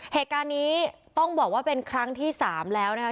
เหตุการณ์นี้ต้องบอกว่าเป็นครั้งที่๓แล้วนะคะ